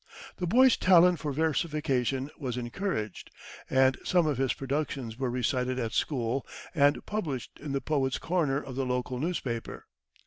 The boy's talent for versification was encouraged, and some of his productions were recited at school and published in the poet's corner of the local newspaper.